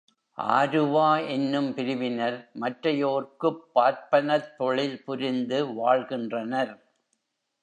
ஆருவா என்னும் பிரிவினர் மற்றையோர்க்குப் பார்ப்பனத் தொழில் புரிந்து வாழ்கின்றனர்.